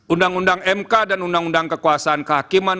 undang undang mk dan undang undang kekuasaan kehakiman